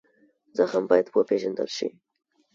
زخم باید وپېژندل شي.